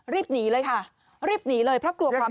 รีบหนีเลยค่ะรีบหนีเลยเพราะกลัวความ